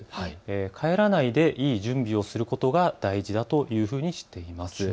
帰らないでいい準備をすることが大事だというふうにしています。